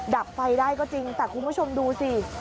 ดับไฟได้ก็จริงแต่คุณผู้ชมดูสิ